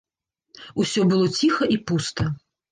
Усё было ціха і пуста.